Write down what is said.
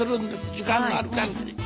時間のある限り。